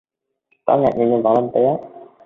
Tuấn ngạc nhiên nhưng vẫn lên tiếng